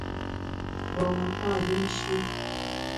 Mgbom-a pua’ yùmshi.